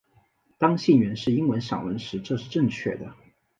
当信源是英文散文时这是正确的。